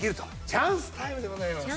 チャンスタイムでございます。